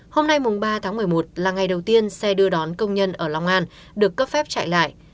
hôm nay mùng ba tháng một mươi một là ngày đầu tiên xe đưa đón công nhân ở long an được cấp phép chạy lại